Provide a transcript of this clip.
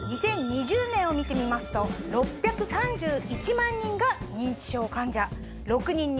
２０２０年を見てみますと６３１万人が認知症患者。